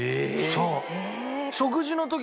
そう。